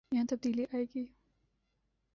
یہاں تبدیلی آئے گی۔